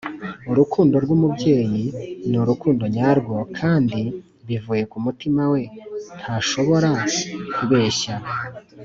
urukundo rw'umubyeyi 'ni' urukundo nyarwo, kandi bivuye ku mutima we ntashobora kubeshya.